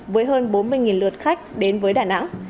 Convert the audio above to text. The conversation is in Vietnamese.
với hơn bốn mươi lượt khách đến với đà nẵng